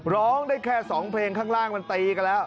ร้องได้แค่๒เพลงข้างล่างมันตีกันแล้ว